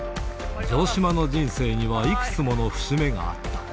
城島の人生にはいくつもの節目があった。